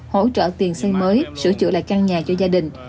hỗ trợ tiền xây mới sửa chữa lại căn nhà cho gia đình